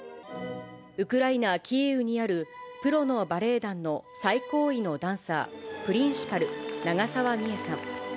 ウクライナ・キーウにあるプロのバレエ団の最高位のダンサー・プリンシパル、長澤美絵さん。